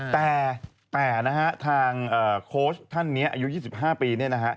แต่นะฮะทางโค้ชท่านนี้อายุ๒๕ปีเนี่ยนะฮะ